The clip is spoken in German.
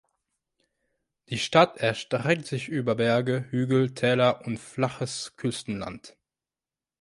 Die Stadt erstreckt sich über Berge, Hügel, Täler und flaches Küstenland.